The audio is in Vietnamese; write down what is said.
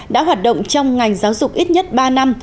đã hoạt động trong ngành giáo dục ít nhất ba năm